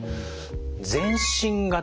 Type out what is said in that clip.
全身型。